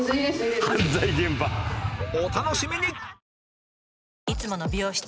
お楽しみに！